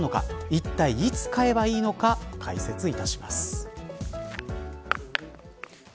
いったい、いつ買えばいいのか解説いたします。